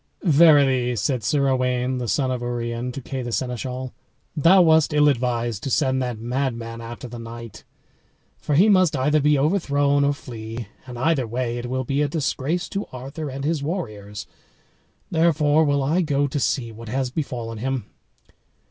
"Verily," said Sir Owain, the son of Urien, to Kay the Seneschal, "thou wast ill advised to send that madman after the knight, for he must either be overthrown or flee, and either way it will be a disgrace to Arthur and his warriors; therefore will I go to see what has befallen him."